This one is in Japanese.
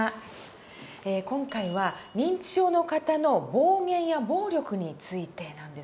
今回は認知症の方の暴言や暴力についてなんですが。